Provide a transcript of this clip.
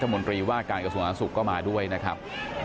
มาด้วยรัฐมนตรีว่าการกระทรวงสหรัฐศุกร์ก็มาด้วยนะครับ